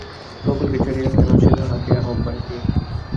সকলকে ছাড়িয়া কেন সে তাহাকেই আহ্বান করিল!